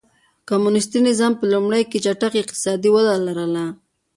کمونېستي نظام په لومړیو کې چټکه اقتصادي وده لرله.